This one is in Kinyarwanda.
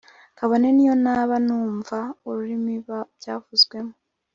kabone n’iyo naba ntumva ururimi byavuzwemo